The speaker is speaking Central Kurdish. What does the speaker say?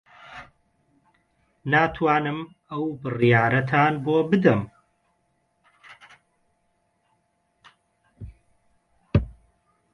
ناتوانم ئەو بڕیارەتان بۆ بدەم.